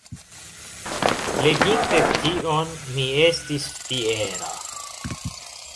Leginte tion mi estis fiera.